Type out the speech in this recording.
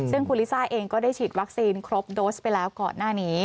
ซึ่งคุณลิซ่าเองก็ได้ฉีดวัคซีนครบโดสไปแล้วก่อนหน้านี้